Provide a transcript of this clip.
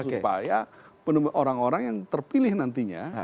supaya orang orang yang terpilih nantinya